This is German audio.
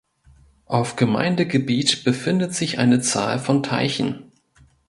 Auf Gemeindegebiet befindet sich eine Zahl von Teichen.